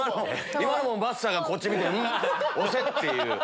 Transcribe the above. ばっさーがこっち見てうん押せ！っていう。